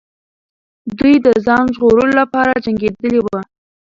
دوی د ځان ژغورلو لپاره جنګېدلې وو.